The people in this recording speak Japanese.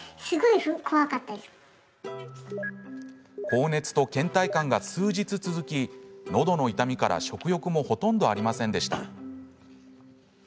高熱とけん怠感が数日続きのどの痛みから食欲もほとんどありませんでした。